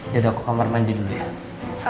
ya dok aku kamar mandi dulu ya